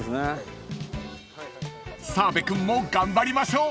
［澤部君も頑張りましょう］